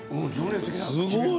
すごい！